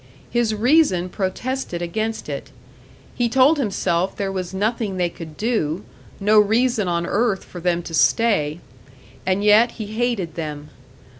His reason protested against it; he told himself there was nothing they could do, no reason on earth for them to stay and yet he hated them.